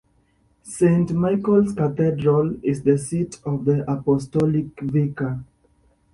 Saint Michael's Cathedral is the seat of the apostolic vicar.